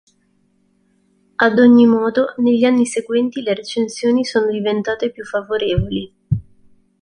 Ad ogni modo, negli anni seguenti le recensioni sono diventate più favorevoli.